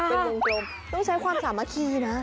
เป็นวงโจมต้องใช้ความสามคาวนี้นะ